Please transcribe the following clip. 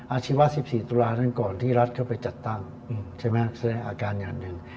อาชีวะ๑๔ตุลานั้นก่อนที่รัฐเข้าไปจัดตั้งใช่ไหมแสดงอาการอย่างหนึ่ง